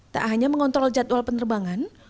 tak hanya mengontrol jadwal penerbangan